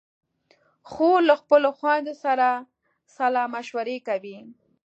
خور له خپلو خویندو سره سلا مشورې کوي.